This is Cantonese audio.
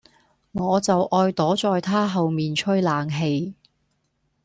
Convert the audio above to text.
我就愛躲在他後面吹冷氣